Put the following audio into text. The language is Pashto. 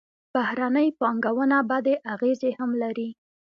بهرنۍ پانګونه بدې اغېزې هم لري.